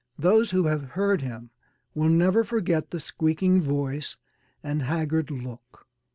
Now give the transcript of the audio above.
Those who have heard him will never forget the squeaking voice and haggard look.